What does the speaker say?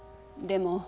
でも。